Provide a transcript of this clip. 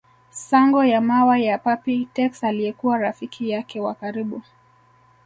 Sango ya mawa ya Papy Texaliyekuwa rafiki yake wa karibu